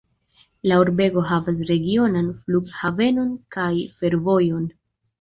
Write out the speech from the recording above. La urbego havas regionan flughavenon kaj fervojon.